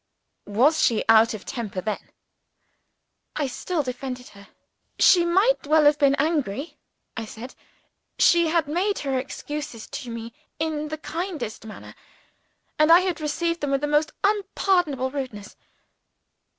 "Was she out of temper then?" I still defended her. "She might well have been angry," I said. "She had made her excuses to me in the kindest manner; and I had received them with the most unpardonable rudeness."